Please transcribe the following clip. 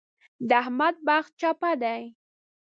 د احمد بخت چپه دی.